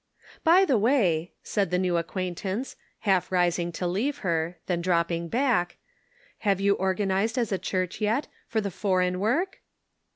" By the way," said the new acquaintance, halt' rising to leave her, then dropping back, " have you organized as a church yet, for the foreign work?"